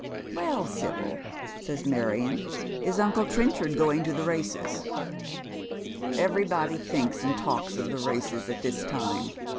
" Well, Sibyl," says Marion, " is uncle Trenchard going to the races ?" Everj'body tliinks and talks of the races at this time.